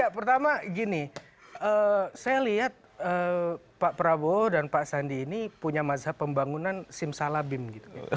ya pertama gini saya lihat pak prabowo dan pak sandi ini punya mazhab pembangunan sim salabim gitu